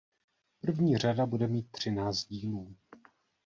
První řada bude mít třináct dílů.